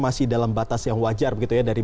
masih dalam batas yang wajar dari